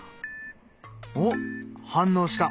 おっ反応した。